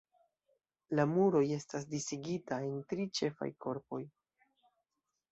La muroj estas disigita en tri ĉefaj korpoj.